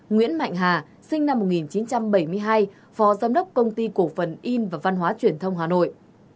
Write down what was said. nguyễn mạnh hà sinh năm một nghìn chín trăm bảy mươi hai phó giám đốc công ty cổ phần in và văn hóa truyền thông hà nội